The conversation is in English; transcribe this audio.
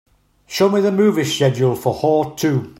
Show me the movie schedule for Whore II.